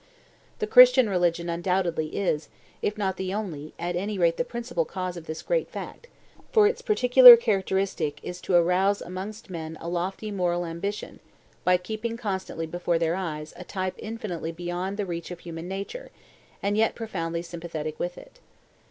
The Christian religion, undoubtedly, is, if not the only, at any rate the principal cause of this great fact; for its particular characteristic is to arouse amongst men a lofty moral ambition by keeping constantly before their eyes a type infinitely beyond the reach of human nature, and yet profoundly sympathetic with it.